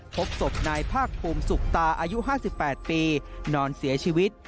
พบศพนายภาคภูมิสุขตาอายุ๕๘ปีนอนเสียชีวิต